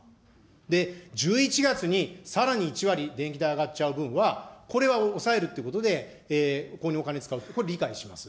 で、１１月にさらに１割電気代上がっちゃう分は、これは抑えるということで、ここにお金使うって、これは理解します。